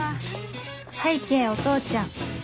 拝啓お父ちゃん